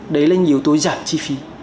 đấy là những yếu tố giảm chi phí